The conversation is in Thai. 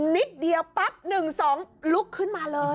นิดเดียวปั๊บหนึ่งสองลุกขึ้นมาเลย